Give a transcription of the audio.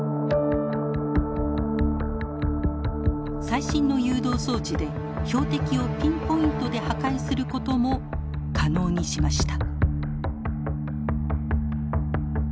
最新の誘導装置で標的をピンポイントで破壊することも可能にしました。